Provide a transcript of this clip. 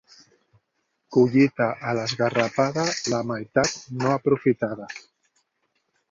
Collita a l'esgarrapada, la meitat no aprofitada.